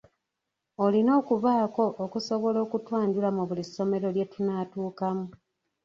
Olina okubaako kusobola okutwanjula mu buli ssomero lye tunaatuukamu.